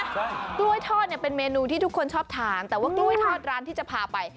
ใช่กล้วยทอดเนี่ยเป็นเมนูที่ทุกคนชอบทานแต่ว่ากล้วยทอดร้านที่จะพาไป